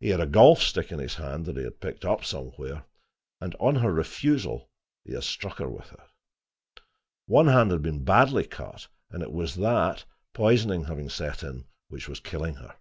He had a golf stick in his hand, that he had picked up somewhere, and on her refusal he had struck her with it. One hand had been badly cut, and it was that, poisoning having set in, which was killing her.